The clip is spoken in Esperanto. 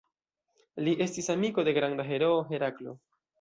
Li estis amiko de granda heroo Heraklo.